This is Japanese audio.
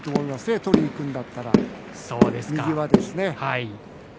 取りにいくんだったら右はですね。